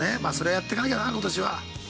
◆それはやってかなきゃな、ことしは。